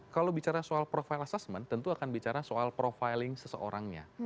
kalau bicara soal profile assessment tentu akan bicara soal profiling seseorangnya